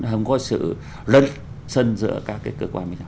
không có sự lấn sân giữa các cái cơ quan bây giờ